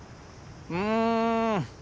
うん。